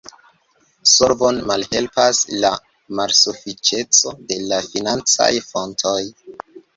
Solvon malhelpas la malsufiĉeco de la financaj fontoj.